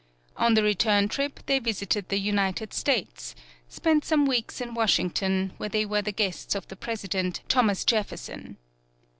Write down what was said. On the return trip they visited the United States; spent some weeks in Washington, where they were the guests of the President, Thomas Jefferson.